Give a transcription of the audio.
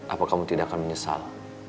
apa kamu tidak akan menyesal